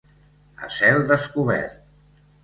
A cel descobert.